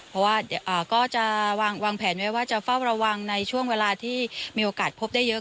เพราะว่าก็จะวางแผนไว้ว่าจะเฝ้าระวังในช่วงเวลาที่มีโอกาสพบได้เยอะ